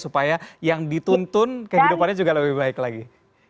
supaya yang dituntun kehidupannya juga lebih baik lagi